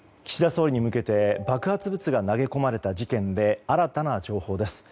総理に向けて爆発物が投げ込まれた事件で新たな情報です。